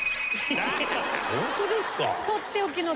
ホントですか。